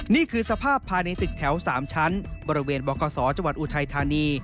นี่คือสภาพภายในตึกแถว๓ชั้นบริเวณบกษจังหวัดอุทัยธานี